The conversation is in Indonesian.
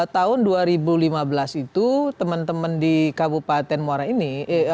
tahun dua ribu lima belas itu teman teman di kabupaten muara ini